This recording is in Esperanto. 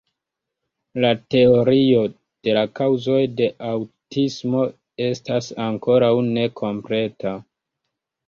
La teorio de la kaŭzoj de aŭtismo estas ankoraŭ nekompleta.